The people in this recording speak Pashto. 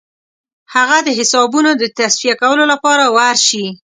هغه د حسابونو د تصفیه کولو لپاره ورسي.